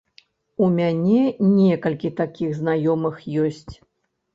У мяне некалькі такіх знаёмых ёсць.